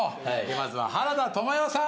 まずは原田知世さん